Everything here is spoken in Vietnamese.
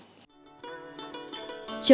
trời về chiều